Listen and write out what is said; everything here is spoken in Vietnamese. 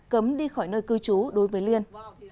cấm đi khỏi nơi cư trú đối với liên